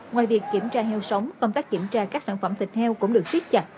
ngoài việc kiểm tra heo sống công tác kiểm tra các sản phẩm thịt heo cũng được siết chặt